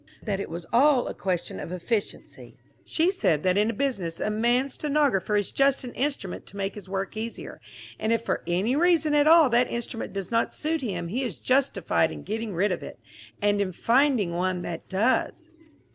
"That it was all a question of efficiency. She said that in business a man's stenographer is just an instrument to make his work easier, and if for any reason at all that instrument does not suit him he is justified in getting rid of it, and in finding one that does."